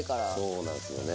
そうなんすよね。